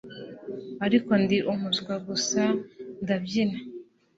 Ariko Ndi umuswa gusa ndabyina